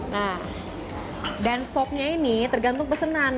nah dan sopnya ini tergantung pesanan